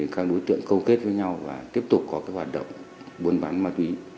các đối tượng câu kết với nhau và tiếp tục có hoạt động buôn bán ma túy